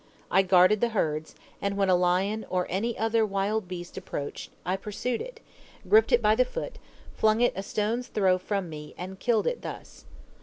I guarded the herds, and when a lion or any other wild beast approached, I pursued it, gripped it by the foot, flung it a stone's throw from me, and killed it thus.